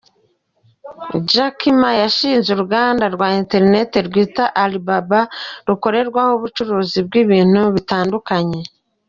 Jack Ma yashinze urubuga rwa interineti rwitwa "Alibaba" rukorerwaho ubucuruzi bw’ibintu bitandukanye.